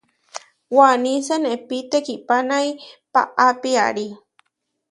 Waní senepí tekihpanái paá piarí.